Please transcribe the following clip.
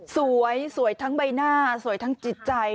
สวยสวยทั้งใบหน้าสวยทั้งจิตใจ